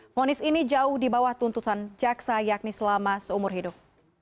fonis ini jauh di bawah tuntutan jaksa yakni selama seumur hidup